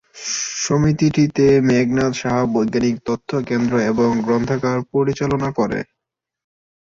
সমিতিটি মেঘনাদ সাহা বৈজ্ঞানিক তথ্য কেন্দ্র এবং গ্রন্থাগার পরিচালনা করে।